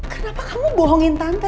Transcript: kenapa kamu bohongin tante